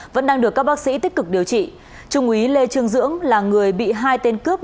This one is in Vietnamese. vẫn đang được các bác sĩ tích cực điều trị trung úy lê trương dưỡng là người bị hai tên cướp